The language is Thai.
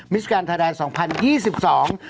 มิสการทายแดง๒๐๒๒